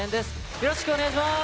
よろしくお願いします。